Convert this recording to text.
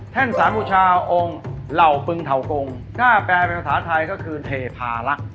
สารบูชาองค์เหล่าปึงเถากงหน้าแปลเป็นภาษาไทยก็คือเทพาลักษณ์